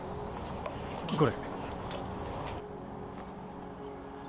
これ。